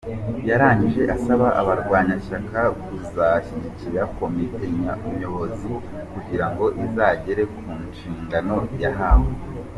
Yarangije asaba abarwanashyaka kuzashyigikira Komite nyobozi kugirango izagere kunshingano yahawe.